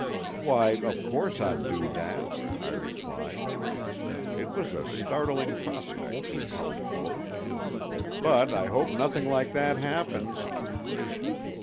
"Why, of course I'd do that," I replied. It was a startling prospect he held forth. "But I hope nothing like that happens."